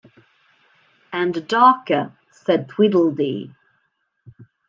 ‘And darker,’ said Tweedledee.